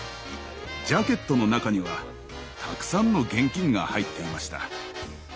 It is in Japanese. ジャケットの中にはたくさんの現金が入っていました。